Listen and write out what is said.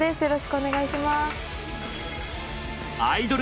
よろしくお願いします。